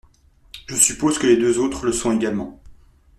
Je suppose que les deux autres le sont également.